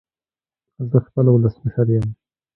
زه خپله ولسمشر يم